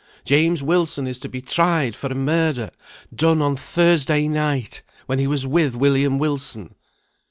James Wilson is to be tried for a murder, done on Thursday night, when he was with William Wilson.